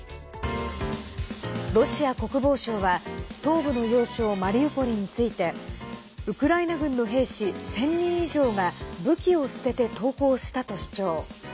ロシア国防省は東部の要衝マリウポリについてウクライナ軍の兵士１０００人以上が武器を捨てて投降したと主張。